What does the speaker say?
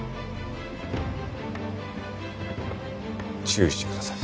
注意してください。